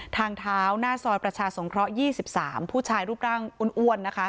ทางเท้าหน้าซอยประชาสงเคราะห์๒๓ผู้ชายรูปร่างอ้วนนะคะ